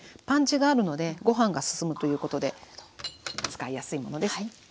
パンチがあるのでごはんが進むということで使いやすいものです。